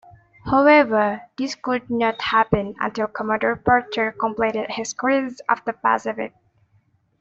However, this could not happen until Commodore Porter completed his cruise of the Pacific.